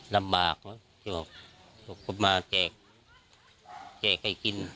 ลำบากมาแจกแจกให้กิน